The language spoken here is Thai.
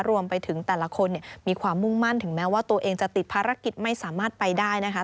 รวมไปถึงแต่ละคนมีความมุ่งมั่นถึงแม้ว่าตัวเองจะติดภารกิจไม่สามารถไปได้นะคะ